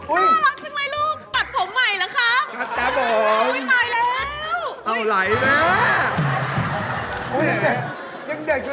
อุ๊ยมาแล้วค่ะนี่ค่ะลูกหนู